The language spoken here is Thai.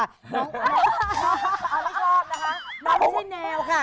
ไม่ชอบนะคะมันไม่ใช่แนวค่ะ